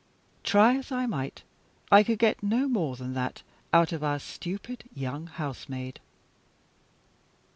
Try as I might, I could get no more than that out of our stupid young housemaid.